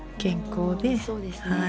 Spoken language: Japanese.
うんそうですね。